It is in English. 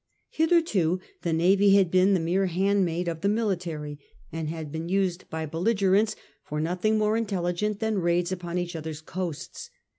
' Hitherto the navy had been the mere handmaid of the military, and had been used by belligerents for nothing more intelligent than raids upon each other's coasts.